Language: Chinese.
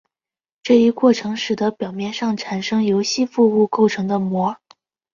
这一过程使得表面上产生由吸附物构成的膜。